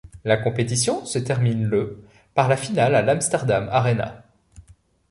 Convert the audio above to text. La compétition se termine le par la finale à l'Amsterdam ArenA.